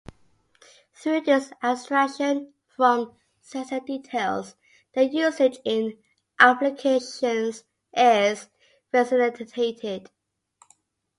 Through this abstraction from sensor details, their usage in applications is facilitated.